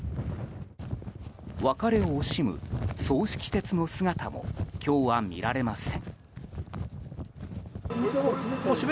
別れを惜しむ葬式鉄の姿も今日は見られません。